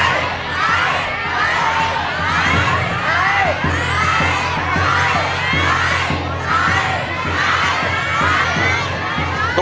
ไม่ใช้